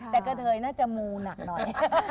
แต่กระเทยน่าจะมูหนักหน่อย